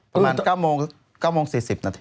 ประมาณ๙โมง๔๐นาที